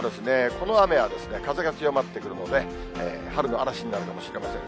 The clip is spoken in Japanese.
この雨は風が強まってくるので、春の嵐になるかもしれません。